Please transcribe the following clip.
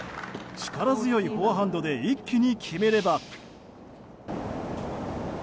力強いフォアハンドで一気に決めれば。